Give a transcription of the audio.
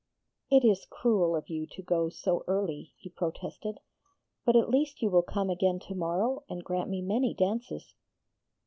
'It is cruel of you to go so early,' he protested. 'But at least you will come again to morrow and grant me many dances?'